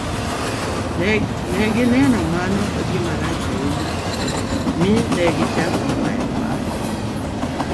Ne gineno mano ka gima rach ahinya mi ne gichako ng'ayo wach.